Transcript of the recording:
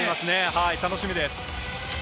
楽しみです。